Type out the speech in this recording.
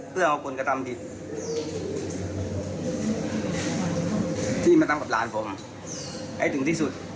เพื่อเอาคนกระทำผิดที่มาทำกับหลานผมให้ถึงที่สุด